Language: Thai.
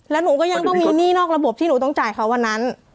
แล้วหนูก็ยังต้องมีหนี้นอกระบบที่หนูต้องจ่ายเขาวันนั้น